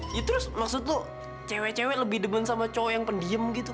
ya terus maksud lu cewek cewek lebih demen sama cowok yang pendiem gitu